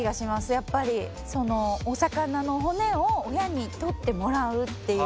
やっぱりそのお魚の骨を親に取ってもらうっていう。